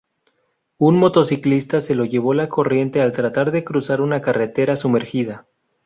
Un motociclista se lo llevó la corriente al tratar de cruzar una carretera sumergida.